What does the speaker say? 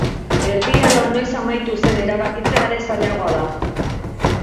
Erdi Aroa noiz amaitu zen erabakitzea are zailagoa da.